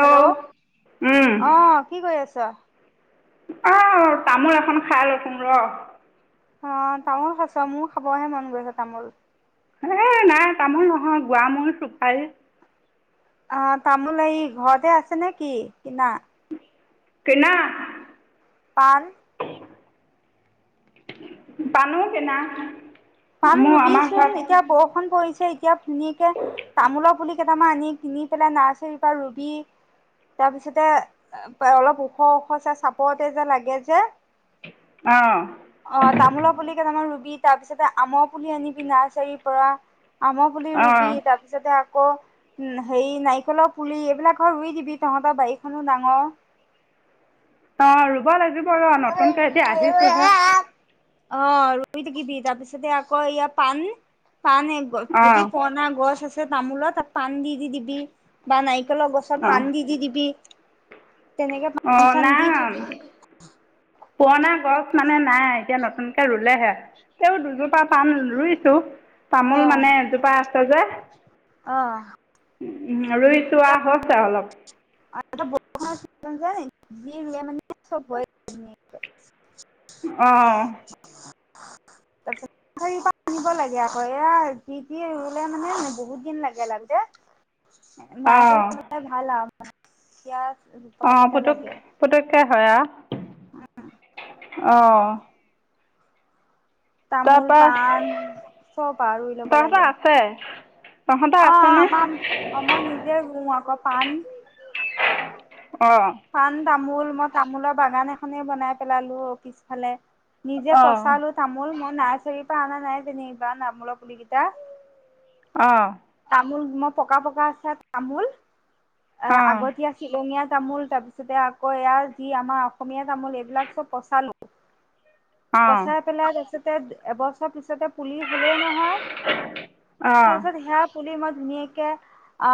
Hello আহ কি কৰি আছা আহ তামোল এখন খাই লৈছোং ৰ অ তামোল খাইছ মোৰ খাবহে মন গৈছে তামোল এ নাই তামোল নহয় গোৱা মোন ছোপাৰি অ তামোল এই ঘৰতে আছে নে কি কিনা কিনা পান পাণো কিনা পাণ মোৰ ৰুবি আমাৰ চোন ঘৰত এতিয়া বৰষুণ পৰিছে এতিয়া ধুনীয়াকে তামোলৰ পুলি কেইটামান আনি কিনি পেলাই নাৰ্চাৰীৰ পৰা ৰুবি তাৰ পিছতে অলপ ওখ ওখ চে চাপৰতে যে লাগে যে অঁ অ তামোল পুলি কেটামান ৰুবি বি তাৰ পিছত [unintelligible] এটা আমৰ পুলি আনি নাৰ্চাৰিৰ পৰা আমৰ পুলি অঁ ৰুবি তাৰপিছতে আকৌ হেৰি নাৰিকলৰ পুলি এইবিলাকৰ ৰুই দিবি তহঁতৰ বাৰীখনো ডাঙৰ অ আৰু হব লাগিব ৰ নতুনকে এ আজি আহিছোহে অ ৰুই থাকিবি তাৰপিছতে আকৌ ইয়া পাণ পানে গছ অঁ যদি পুঅনা গছ আছে তামোলত তাত পান দি দি দিবি বা নাই ল গছত অঁ পানী দি দি দিবি তেনেকে পান অঁ চান দি নাই থবি পুৰণা গছ মানে নাই এতিয়া নতুনকে ৰুলেহে এ দুজোপা পাণ ৰুইছো তামোল মানে এজোপা হজা [unintelligible] অ উ ৰুই চোৱা হৈছে অলপ এ ব মানেয় [unintelligible] অহ তাৰপিছত আনিব লাগে আক এয়া যি টি ৰুলে মানে বহুত দিন লাগে লাগোতে অঁ [unintelligible] ক [unintelligible] অ পুতুক পুতুকে হয় আ অহ অহ তামোল পাণ চব আৰু ৰুই লব তহঁতৰ লাগে আছে তহঁতৰ অ আছেনে আমাৰ আমাৰ নিজে ৰো অক পান অ তামোল মই তামোলৰ বাগান এখনে বনাই পেলালো অ পিছফালে নিজে অঁ পচালো তামোল মই নাৰচাৰি পা আনা নাই যেনিবা ন তামোল পুলিকেইটা আহঁ তামোল মই পকা পকা আছে তামোল অ অঁ আগতীয়া শিলঙিয়াত তামোল তাৰপিছতে আকৌ ইয়াৰ যি আমাৰ অসমীয়া তামোল এইবিলাক চব পচালো অঁ পচাই পেলাই তাৰপিছত এবছৰ পিছত পুলি হ'লেই নহয় অঁ তাৰপিছত সেয়া পুলি মই ধুনীয়াকে আ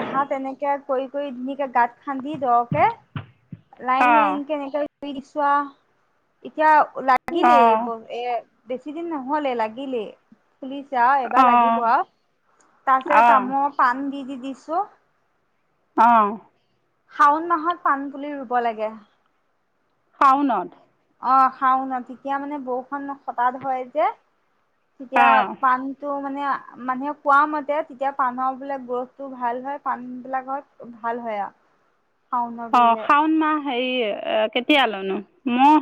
এহাত এনেকে কৰি কৰি ধুনীয়াকে গাঁত খান্দি দ কে লাইন অঁ লাইন কে এনেকে ৰুই দিছো আও‌ এতিয়াও লাগিলে অঁ এ‌‌ ব এ বেছি দিন নহলে লাগিলেই ফুলিছে আও এবাৰ লাগিব আৰু তাৰচে অঁ অঁ তাম পান দি দি দিছ অহ শাওণ মাহত পাণ পুলি ৰুব লাগে। শাওনত অ শাওনত তেতিয়া মানে বৰষুণ হঠাৎ হয় যে তেতিয়া অঁ পান তো মানে মানুহে কোৱা মতে তেতিয়া পানৰ বোলে গ্ৰোথটো ভাল হয় পান বিলাকত ভাল হয় আৰু শাওনত অঁ ৰুলে শাওণ মাহ হেৰি কেতিয়া লনো ম,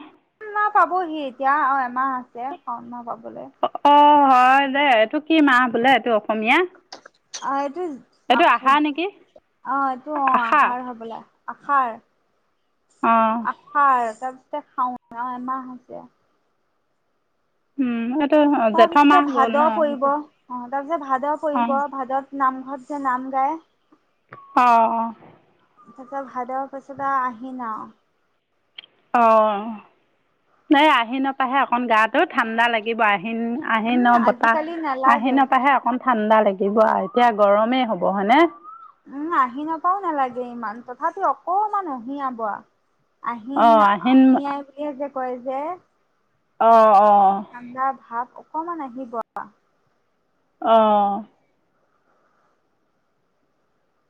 না পাবহি এতিয়া আৰু এমাহ আছে শাওন মাহ পাব গলে অঁ হয় দে এইটো কি মাহ বোলে এইটো অসমীয়া? হয় এইটো আহাৰ [unintelligible] এইটো আহা নেকি অ এইটো অ আশা আহাৰ হবলা আহাৰ অঁ আহাৰ এতিয়া শাওন ন এমাহ আছে। উম এইটো তাৰ জেঠ পিছতে মাহ গ'ল ভাদ ন? পৰিব অ তাৰপিছত ভাদ পৰিব অ', ভাদত নামঘৰত যে নাম গায় অহ তাৰপাছত ভাদ পাছত আহ আহিন আও। অ অ নাই আহিনৰ পা হে অকন গাটো ঠাণ্ডা লাগিব আহে। হিন আহিন উম, বতাহ আজিকালি নালাগে। আহিনৰ পৰাহে অকন ঠাণ্ডা লাগিব আৰু এতিয়া গৰমেই হ'ব হয়নে? উম আহি নাপাও নালাগে ইমান তথাপি অকমান উহিআব আ আহিন অ', আহিন আহি আই বুলি এ যে কয় যে। অ অ ঠাণ্ডা ভাব অক অকমান আহিব। অহঁ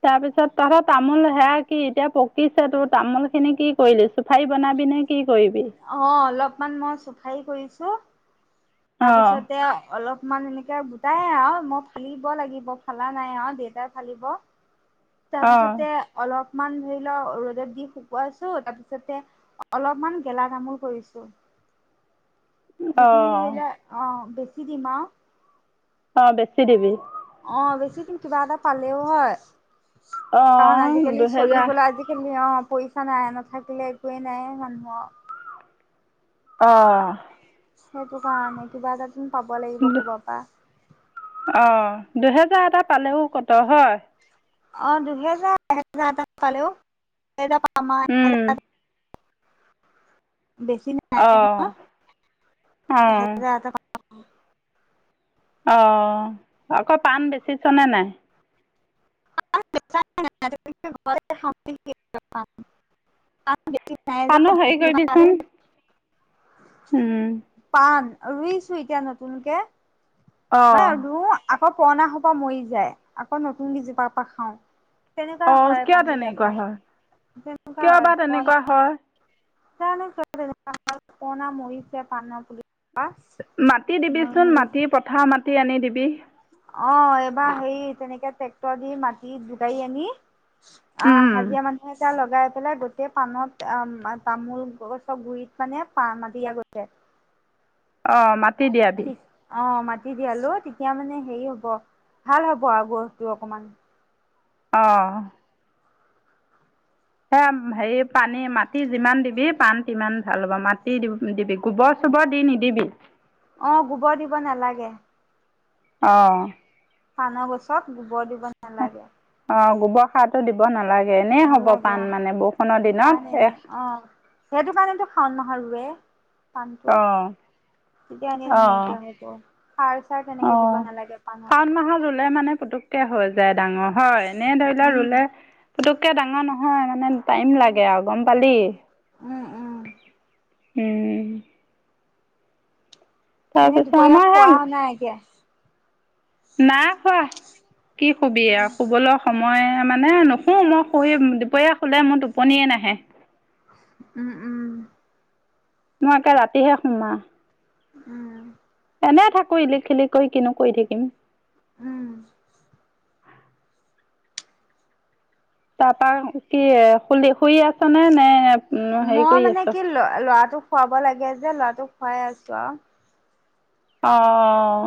তাৰ পিছত তহতৰ তামোল সেয়া কি এতিয়া পকিছে তোৰ তামোল খিনি কি কৰিলি চুফাৰি বনাবি নে কি কৰিবি? অ অলপমান মই চোফাই কৰিছো। তাৰ অ', পিছতে অলপ। মাননে এনেকে গোটাই আৰু মই ফালিব, লাগিব ফালা নাই আৰু দেউতাই ফালিব। তাৰ অ', পিছতে অলপ। অকমান ধৰি লও ৰ'দত দি শুকুৱাইছো, তাৰপিছতে অলপমান গেলা গামোল কৰিছো। সেইখিনি অ', ধৰিলে অ বেছি। কি দিম আৰু। অ বেছি দিবি। অ বেছি দিম কিবা এটা পালেও হয়। কাৰণ অ', আজি কালি দুহেজাৰ চলিবলে আজি কালি অ। [inaudible] পইচা নাই নাথাকিলে একোৱেই নাই সম্ভম। অঁ। সেইটো কাৰ নে কিবা এটা। তুমি পাব লাগিব ক'ৰবাৰ পৰা নিদিওঁ অ দুহেজাৰ। তাই পালেও কত হয়। অ দুহেজাৰ এহেজাৰ এটা পালেও। এহেজাৰ পাম আৰু উম, এহেজাৰ থাকিব। বেছি নাই অ', নহয় অ', এহেজাৰ এটা পাব। অঁ। অঁ আকৌ পাণ বেচিছনে নাই। অঁ বেছা নাই পাণ, বেছিবলৈ শক্তি নাই পাণ। পাণৰ হেৰি কৰিবিচোন। ওম। পাণ ৰুইছো এতিয়া নতুনকে। মই অ', ৰুও আক অ পুৰণা সপাহ মৰি যায় আকৌ নতুন কেই জোপাৰ পৰা খাওঁ। তেনেকুৱা অ হয় পাণ কিয় তেনেকুৱা বিলাকৰ হয়? তেনেকুৱা কিয় হয় বা পুৰণা তেনেকুৱা হয়। জানো কেনেকুৱা মৰিছে কোৱানা পাণৰ পুলি। মাটি দিবি চোন মাটি পথাৰ মাটি। মাটি আনি দিবি। অ এইবাৰ হেৰী তেনেকে ট্ৰেক্টৰ দি মাটি জোকাৰি আনি। অ উম, হাজিৰা মানুহে লগাম। লগাই পেলাই গোটেই পাণত তামোল গছৰ গুৰিত মানে পাণ দিয়া গৈছে। অ মাটি দিয়াবি। অ' মাটি দিয়ালো তেতিয়া মানে হেৰি হ'ব, ভাল হ'ব আৰু গছটো অকমান। অ। অ হেৰি পানী মাটি যিমান দিবি পাণ তিমান ভাল হ'ব মাটি দিবি গোবৰ চোবৰ দি নিদিবি। অ গোবৰ দিব নালাগে। অ'হ পানৰ গছত গোবৰ দি ব নালাগে। অঁ গোবৰ সাৰটো দিব হব নালাগে এনেই হ'ব নালাগে পাণ অ' মানে বৰষুণৰ পাণ দিনত, এ এনে অ' সেইটো শাওণ কাৰণেতো মাহত ৰুৱে থান তো অঁ তেতিয়া আ নে অঁ নাইকিয়া হব? সাৰ চাৰ তেনেকে দিব নালাগে পাণত। ৰোলে মানে পুটুকে হৈ যায়। ডাঙৰ হয়, এনে ধৰি লোৱা উম। ৰুলে পুতুককে ডাঙৰ নহয়। ন মানে টাইম লাগে আৰু গম পালি উম উম উম এনেই তাৰপিছত দুপৰীয়া আমাৰ খোৱা হ নাইকএতিয়া না খোৱা। কি সুবিয়া, শুবলৈ স মই মানে নুশো মই শুই দুপৰীয়া খোলে মোৰ টোপনিয়ে নাহে। উম উম মই একে ৰাতিহে সোম আও। উম এনে থাকো ইলিক খিলি কৰি কিনো কৰি থাকিম উম তাৰপা কি খুলি শুই আছ নে নে? হেৰি মই কৰি মানে আছ? কি ল ল'ৰাটোক খোৱা কব লাগে যে ল'ৰাটোক খুৱাই আছো আৰু আহ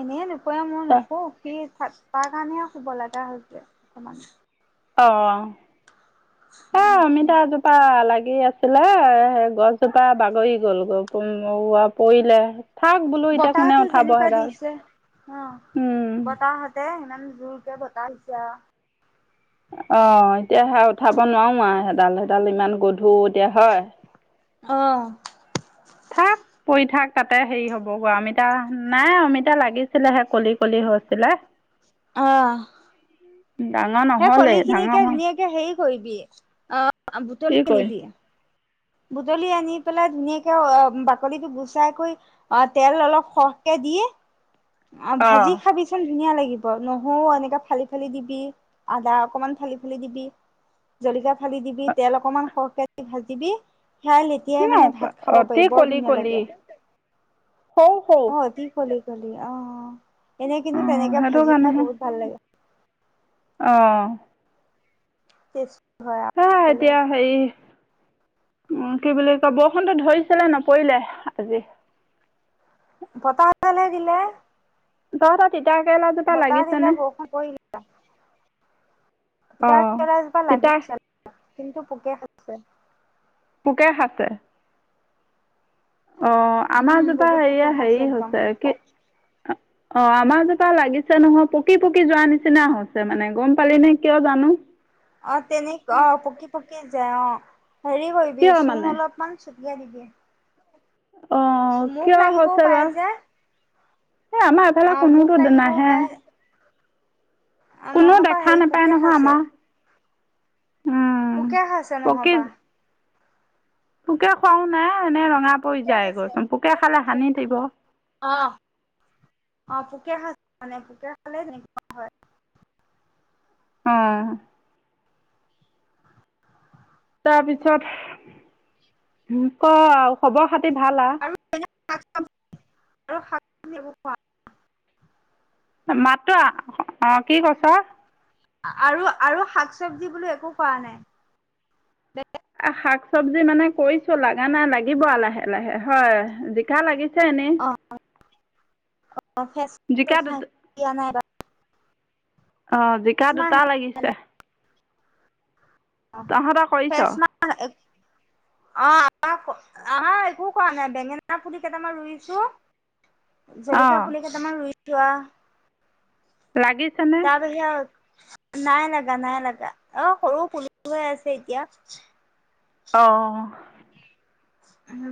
এনে কোৱা ময়নকৌ কি্জ তাৰ কাৰণে শুবলতা হৈ হৈছে অকমান অ হে অমিতা এজোপা লাগে কি আছিলে সেই গছজোপা বাগৰি গ'ল গ পৰিলে থাক বোলো এতিয়া কোনে বতাহতটো উঠাব যেনেকুৱা সেইডাল দিছে অ উম বতাহাহতে ইমান জুৰকে বতা আহিছে অ এতিয়া সে উঠাব নোৱাৰো আৰু এডাল সডাল ইমান গধুৰ এতিয়া হয় আহ থাক পৰি থাক তাতে হেৰি হ'ব গ অমিতা নাই অমিতা লাগিছিলেহে কলি কলি হৈছিলে আহ ডাঙৰ নহলে ডাঙৰ হ কিকৰিবি অ বুটলি কৰিম আনিবি বুটলি আনি পেলাই ধুনীয়াকৈ বাকলিটো গুচাই কৈ তেল অলপ সৰকে দি অ ভাজি খাবিচোন ধুনীয়া লাগিব নহৰুও, এনেকে ফালি ফালি দিবি আদা, অকমান ফালি ফালি দিবি জলকীয়া, ফালি দিবি অ তেল অকণমান সৰহকে ভাজিবি সেইয়া এতিয়াও মানে ভাত খাব অতি পাৰি বৰ কলি ধুনীয়া কলি লাগে। সৰু সৰু অই কি কলি কলি অ অ এনে অ কিন্তু তেনেকে সেইটো ভাজি খাই কাৰণেহে বহুত ভাল লাগে। অ নিশ্চয় হয় এতিয়া হেৰি উম কি বুলি কয় বৰষুণটো ধৰিছিলে নপৰিলে আজি বতাহ কোনফালে দিলে দহটা তিন তিতাকেৰেলা জোপা লাগিছে নে? [unintelligible] অ তিতাকেৰেলা জোপা তিতা লাগিছে আৰু কিন্তু পোকে খাইছে। পোকে খাইছে। অ' আমাৰ উম জোপা বহুত পোকে এইয়া খাইছে হেৰি একদম হৈছে, কি অ' আমাৰ জোপা লাগিছে নহয়। পকি - পকি যোৱাৰ নিচিনা হৈছে মানে। গম পালিনে কিয় জানো? অ' তেনেকুৱা- অ', পকি - পকি যায় অ'। হেৰি কৰিবি। কিয় মানে চূন অলপমান ছ দিয়া দি দিয়ে। অ' কিয় হৈছে বা? পাৰে যে এই আমাৰ এফালে অ মুখ কোনোতো লাগিবও নাহে। পাৰে কোনো নহবা দেখা হেৰি নাপায় পোকে নহয়, খাইছে আমাৰ। উম পোকে খাইছে পকি নহৈবা। পোকে খুৱাও নাই। এনে ৰঙা পৰি পোকে যায় খাইছে গছচোন। পোকে খালে হানি দিব। পোকেই খাইছে মানে। পোকে খালেই তেনেকুৱা হয়। অ'। তাৰপিছত। ক' আৰু খবৰ-খাতি ভাল আ? [inaudible] আৰু শাক [unintelligible] মাত্ৰ আ- অ', কি কৈছে? আৰু- আৰু শাক - চবজি বোলো একো খোৱা নাই। এই শাক - চবজি মানে কৰিছোঁ। লাগা নাই, লাগিব লাহে লাহে, হয়। জিকা লাগি ছে এনে? অ [inaudible] নাই [unintelligible] অ' জিকা দুটা লাগিছে। অ' [unintelligible] তহঁতৰ কৰিছ অ' আ- একো কৰা নাই। বেঙেনাৰ পুলি কেইটামান ৰুইছোঁ। অ জলকীয়া পুলি কেইটামান ৰুই তোৱা। লাগিছেনে তাৰ পিছত নাই লগা। নাই লগা। অ' সৰু পুলি সৰু হৈ আছে এতিয়া। অ'।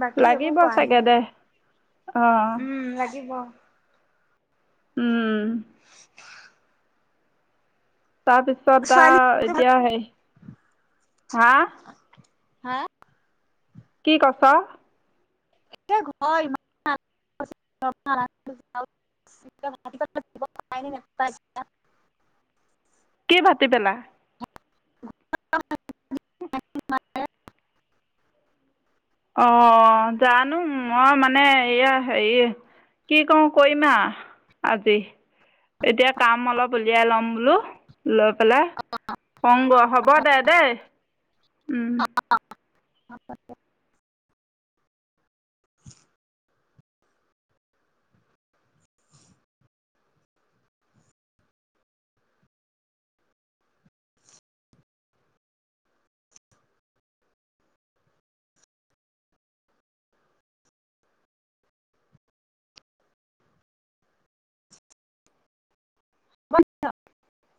বাকী একো লাগিব কৰা নাই চাগে দে। অ উম, লাগিব। উম তাৰপিছত ছোৱালী অ'- এতিয়া হা? হা? কছ? এ ঘৰ ইমান [inaudible] ভাতি পেলা [unintelligible] অ' জানো মই মানে এয়া হেৰি কি কো কৰিমা আজি এতিয়া কাম অলপ উলিয়াই লম বোলো। লৈ পেলাই, কং ব হ'ব দে দেই। উম আ প [inaudible] [unintelligible] বঞ্চ [inaudible]